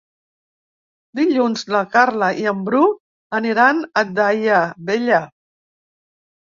Dilluns na Carla i en Bru aniran a Daia Vella.